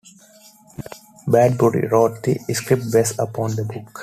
Bradbury wrote the script based upon the book.